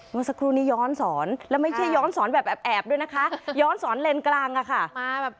นี่ค่ะสักครู่นี้ย้อนศรและไม่ใช่ย้อนศรแบบแอบด้วยนะคะย้อนศรเลนกลางค่ะ